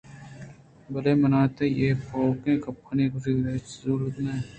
بلئے منا تئی اے پوکیں گپّانی گوٛشدارگءِہچ زلُورت نہ اِنت